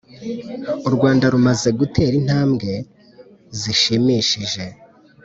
u rwanda rumaze gutera intambwe zishimishije